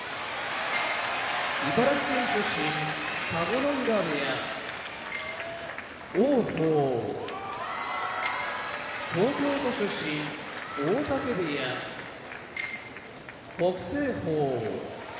茨城県出身田子ノ浦部屋王鵬東京都出身大嶽部屋北青鵬